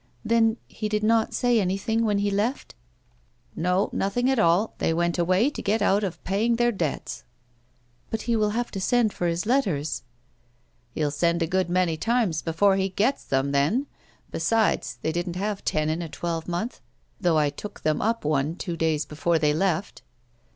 " Then he did not say anything when he left ?"" No, nothing at all ; they went away to get out of pay ing their debts." " But he will have to send for his letters." " He'll send a good many times before he gets them, then ; besides, they didn't have ten in a twelvemonth, tliough I took them up one two days before they left."